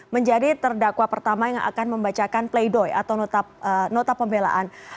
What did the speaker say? menjadi terdakwa pertama yang akan membacakan pleidoy atau nota pembelaan